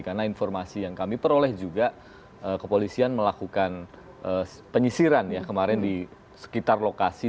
karena informasi yang kami peroleh juga kepolisian melakukan penyisiran kemarin di sekitar lokasi